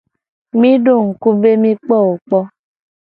Mi do ngku be mi kpoe kpo.